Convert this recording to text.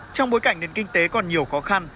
trong bối cảnh nền kinh tế còn nhiều khó khăn